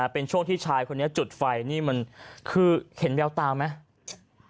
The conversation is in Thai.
เป็นช่วงที่ชายคนนี้จุดไฟนี่มันคือเห็นแววตาไหม